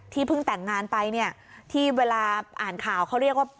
เพิ่งแต่งงานไปเนี่ยที่เวลาอ่านข่าวเขาเรียกว่า